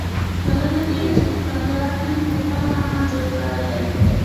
کلونه کېږي چې په خپل هېواد مو په خپله ماښام جوړ کړی دی.